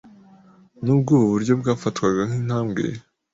Nubwo ubu buryo bwafatwaga nkintambwe